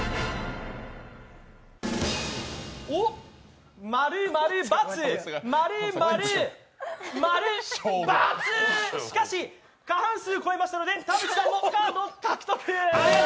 おっ、しかし、過半数超えましたので田渕さんもカード獲得！